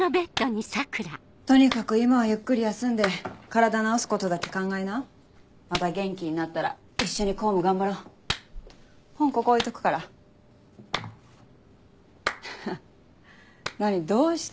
とにかく今はゆっくり休んで体治また元気になったら一緒に公務頑張ろ本ここ置いとくからハハ何どうした？